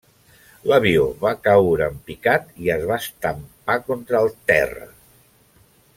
L'avió va caure en picat i es va estampar contra el terra.